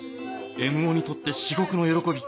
Ｍ 男にとって至極の喜び